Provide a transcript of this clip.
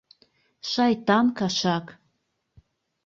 Шайтан кашак!